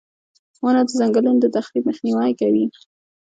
• ونه د ځنګلونو د تخریب مخنیوی کوي.